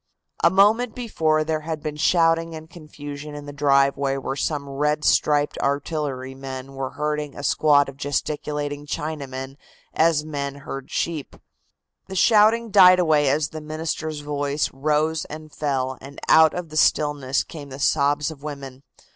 A moment before there had been shouting and confusion in the driveway where some red striped artillerymen were herding a squad of gesticulating Chinamen as men herd sheep. The shouting died away as the minister's voice rose and fell and out of the stillness came the sobs of women.